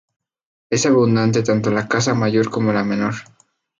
Es abundante tanto la caza mayor como la menor.